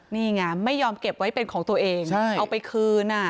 นี่ไงไม่ยอมเก็บไว้เป็นของตัวเองเอาไปคืน